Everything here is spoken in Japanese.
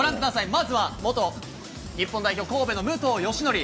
まずは元日本代表、神戸の武藤よしのり。